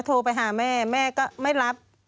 ควิทยาลัยเชียร์สวัสดีครับ